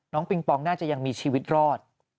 ปิงปองน่าจะยังมีชีวิตรอด